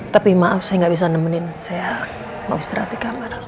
tapi maaf saya nggak bisa nemenin saya mau istirahat di kamar